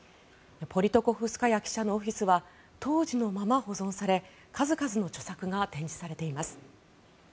ポリトコフスカヤ記者のオフィスは当時のまま保存され数々の著作が展示されています。